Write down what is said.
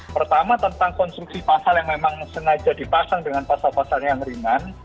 pertama tentang konstruksi pasal yang memang sengaja dipasang dengan pasal pasal yang ringan